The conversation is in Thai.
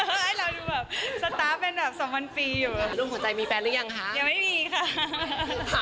ให้เราอยู่แบบสต๊าปเป็นแบบสามวันปีอย่างเนอะ